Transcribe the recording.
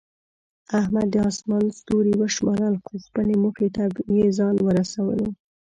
احمد د اسمان ستوري وشمارل، خو خپلې موخې ته یې ځان ورسولو.